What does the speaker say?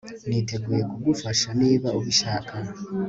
Niteguye kugufasha niba ubishaka